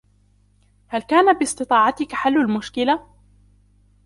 هل كان بإستطاعتك حل المشكلة ؟